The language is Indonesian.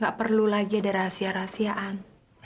gak perlu lagi ada rahasia rahasiaan